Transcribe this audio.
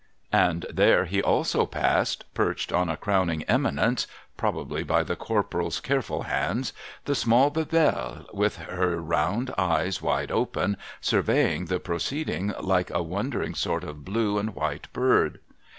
And there he also passed, perched on a crowning eminence (probably by the Corporal's careful hands), the small Bebelle, with her round eyes wide open, surveying the proceeding like a wondering sort of blue and white bird.